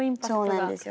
そうなんですよ。